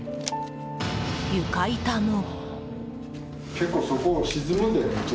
床板も。